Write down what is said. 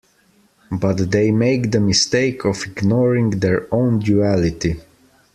But they make the mistake of ignoring their own duality.